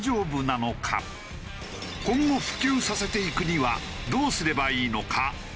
今後普及させていくにはどうすればいいのか？